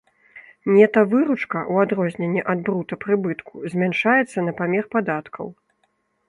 Нета-выручка, у адрозненне ад брута-прыбытку, змяншаецца на памер падаткаў.